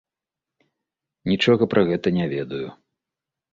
Нічога пра гэта не ведаю.